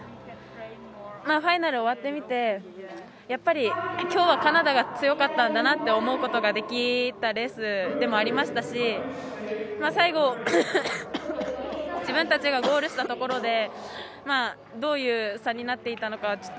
ファイナル終わってみてやっぱり今日はカナダが強かったんだなと思うことができたレースでもありましたし最後、自分たちがゴールしたところでどういう差になっていたのかは。